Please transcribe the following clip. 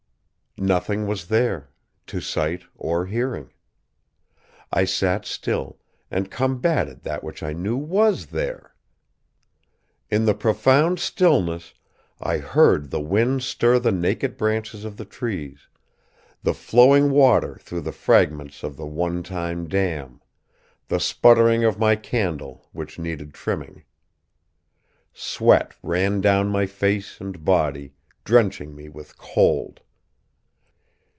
Nothing was there, to sight or hearing. I sat still, and combated that which I knew was there. In the profound stillness, I heard the wind stir the naked branches of the trees, the flowing water through the fragments of the one time dam, the sputtering of my candle which needed trimming. Sweat ran down my face and body, drenching me with cold.